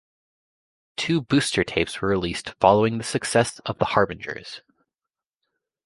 Two booster tapes were released following the success of "The Harbingers".